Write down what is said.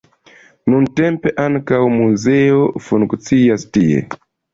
Nuntempe ankaŭ muzeo funkcias tie.